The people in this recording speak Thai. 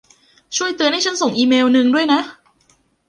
ช่วยเตือนฉันให้ส่งอีเมลล์นึงด้วยนะ